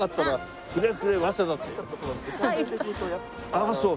ああそう。